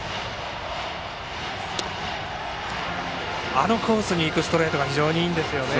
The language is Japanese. あのコースにいくストレートが非常にいいんですよね。